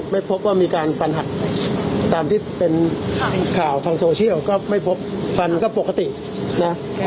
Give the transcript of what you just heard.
ไม่พบว่ามีการฟันหักตามที่เป็นข่าวทางโซเชียลก็ไม่พบฟันก็ปกตินะ